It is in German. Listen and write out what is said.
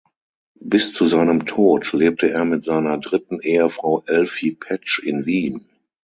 Bis zu seinem Tod lebte er mit seiner dritten Ehefrau Elfi Petsch in Wien.